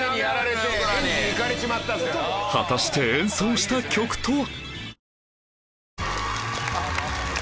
果たして演奏した曲とは？